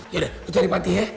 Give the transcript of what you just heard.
yaudah lo cari fatih ya